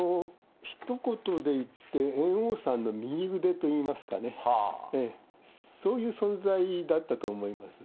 ひと言で言って、猿翁さんの右腕といいますかね、そういう存在だったと思います。